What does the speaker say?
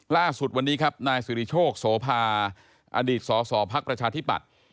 ล่าสุดวันนี้ครับนายสิริโชคโสภาอดีตสสพักประชาธิบัติ